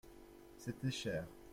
C’était cher.